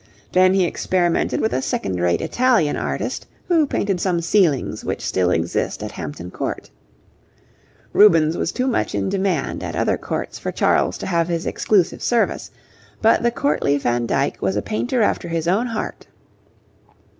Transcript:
Then he experimented with a second rate Italian artist, who painted some ceilings which still exist at Hampton Court. Rubens was too much in demand at other Courts for Charles to have his exclusive service, but the courtly Van Dyck was a painter after his own heart.